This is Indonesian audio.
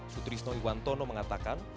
sutrisno iwantono mengatakan